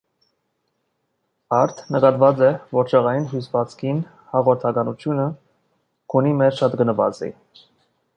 Արդ, նկատուած է,որ ջղային հիւսուածքին հաղորդականութիւնը քունի մէջ շատ կը նուազի։